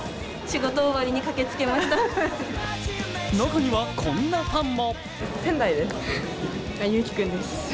中には、こんなファンも。